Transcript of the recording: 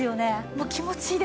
もう気持ちいいですよ。